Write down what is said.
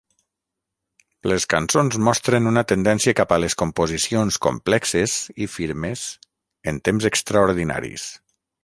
Les cançons mostren una tendència cap a les composicions complexes i firmes en temps extraordinaris.